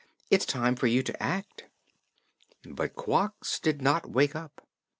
"It is time for you to act." But Quox did not wake up.